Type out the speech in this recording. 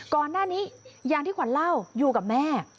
ก่อนหน้านี้อย่างที่ขวัญเล่าอยู่กับแม่